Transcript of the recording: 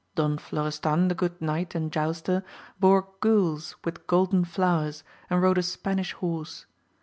Don Flo restan the good knight and jouster bore gules with golden flowers, and rode a Spanish horse.